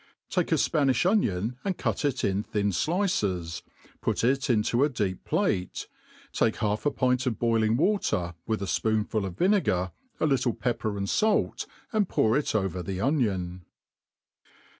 , TAKE a Spaniih onion, and cut it in thin dices, put it into a deep plate, take half a pint of boiling water, with a fpoonful of vinegar, a little pjcpper and fait, and pour jt over the onion.